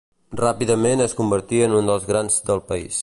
Ràpidament es convertí en un dels grans del país.